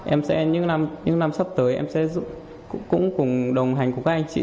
em sẽ những năm sắp tới em sẽ cũng cùng đồng hành cùng các anh chị